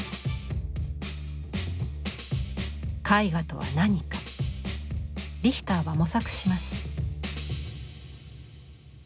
絵画とは何かリヒターは模索します。